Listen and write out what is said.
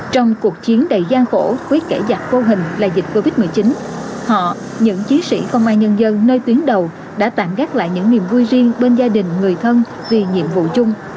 trong cuộc chiến đầy gian khổ với kể giặc vô hình là dịch covid một mươi chín họ những chiến sĩ công an nhân dân nơi tuyến đầu đã tạm gác lại những niềm vui riêng bên gia đình người thân vì nhiệm vụ chung